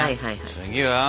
次は？